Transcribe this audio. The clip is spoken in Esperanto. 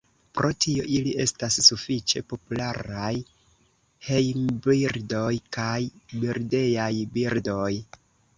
Pro tio ili estas sufiĉe popularaj hejmbirdoj kaj birdejaj birdoj.